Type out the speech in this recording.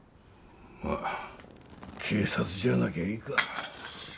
まあ警察じゃなきゃいいか